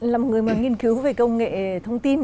là một người nghiên cứu về công nghệ thông tin